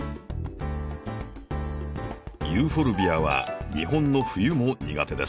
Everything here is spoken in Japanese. ユーフォルビアは日本の冬も苦手です。